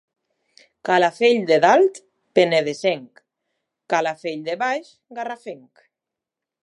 Calafell de dalt, penedesenc. Calafell de baix, garrafenc.